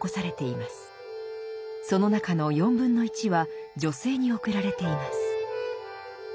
その中の４分の１は女性に送られています。